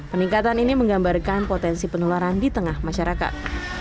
peningkatan ini menggambarkan potensi penularan di tengah masyarakat